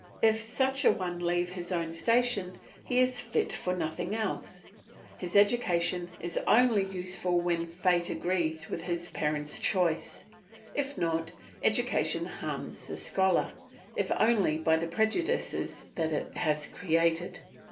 If such a one leave his own station he is fit for nothing else. His education is only useful when fate agrees with his parents' choice; if not, education harms the scholar, if only by the prejudices it has created.